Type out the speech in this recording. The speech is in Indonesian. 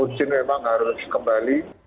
urjin memang harus kembali